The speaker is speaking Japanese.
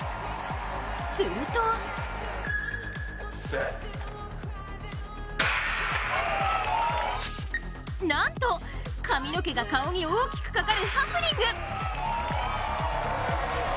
するとなんと、髪の毛が顔に大きくかかるハプニング。